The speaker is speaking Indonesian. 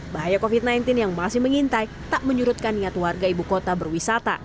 bahaya covid sembilan belas yang masih mengintai tak menyurutkan niat warga ibu kota berwisata